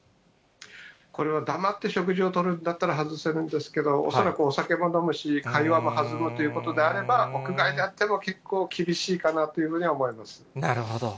これは黙って食事をとるんだったら外せるんですけど、恐らくお酒も飲むし、会話もはずむということであれば、屋外であっても、結構厳しいかなというふうには思なるほど。